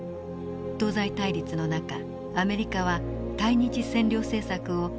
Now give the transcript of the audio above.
東西対立の中アメリカは対日占領政策を大きく転換。